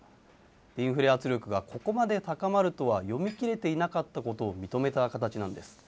インフレ圧力がここまで高まるとは読み切れてなかったことを認めた形なんです。